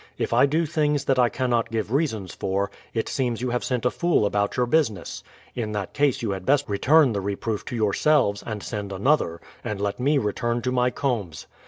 If I do things that I cannot give reasons for, it seems you have sent a fool about your business ; in that case you had best return the reproof to yourseh es, and send another, and let me return to my combes.